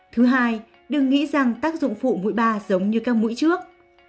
thứ hai đừng nghĩ rằng tác dụng phụ mũi ba giống như các mũi trước